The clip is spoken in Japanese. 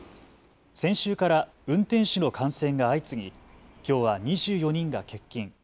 先週から運転手の感染が相次ぎきょうは２４人が欠勤。